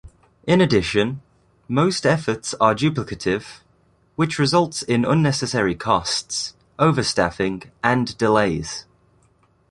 In addition, most efforts are duplicative, which results in unnecessary costs, overstaffing, and delays.